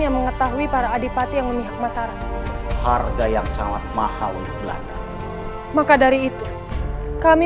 yang mengetahui para adipati yang memihak mataram harga yang sangat mahal untuk belanda maka dari itu kami